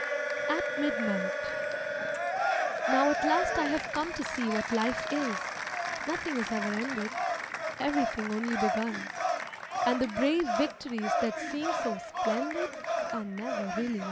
At Midnight Now at last I have come to see what life is, Nothing is ever ended, everything only begun, And the brave victories that seem so splendid Are never really won.